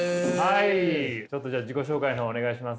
ちょっと自己紹介の方お願いします。